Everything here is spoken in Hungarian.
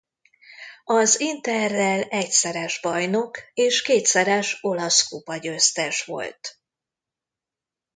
Az Interrel egyszeres bajnok és kétszeres olasz kupa-győztes volt.